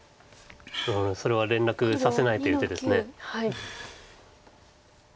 うんそれは連絡させないという手です。